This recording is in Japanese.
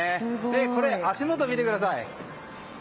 これ、足元見てください。